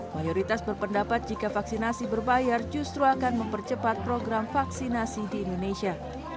mayoritas berpendapat jika vaksinasi berbayar justru akan mempercepat program vaksinasi di indonesia